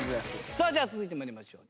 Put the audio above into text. さあじゃあ続いて参りましょう。